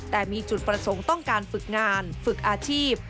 แต่มีจุดประสงค์ต้องการฝึกงานฝึกอาชีพ